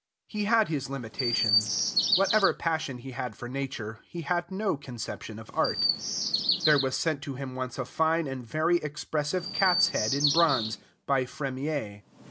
He had his limitations. Whatever passion he had for nature, he had no conception of art. There was sent to him once a fine and very expressive cat's head in bronze, by Fremiet.